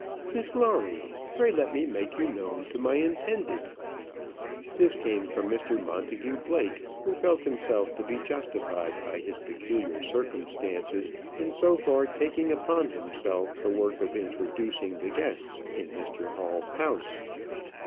"Miss Lawrie, pray let me make you known to my intended." This came from Mr Montagu Blake, who felt himself to be justified by his peculiar circumstances in so far taking upon himself the work of introducing the guests in Mr Hall's house.